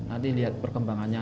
nanti lihat perkembangannya